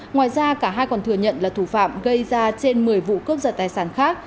ngoài ra cả hai còn thừa nhận là thủ phạm gây ra trên một mươi vụ cướp giật tài sản khác